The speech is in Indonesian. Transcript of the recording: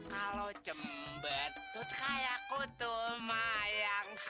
kalau cember tut kayak kutu mayang